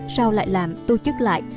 sau lại làm tu chức lại